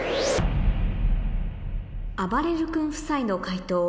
あばれる君夫妻の解答